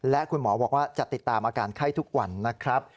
และคุณหมอบอกว่าจะติดตามอาการไข้ทุกวันนะครับ